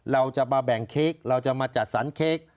เราจะมาแบ่งเค้กเราจะมาจัดสรรเค้ก